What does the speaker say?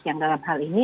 yang dalam hal ini